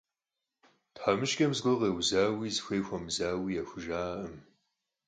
Тхьэмыщкӏэм зыгуэр къеузауи, зыхуей хуэмызауи яхужыӀакъым.